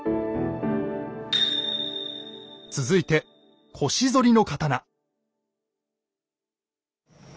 続いて腰反りの刀。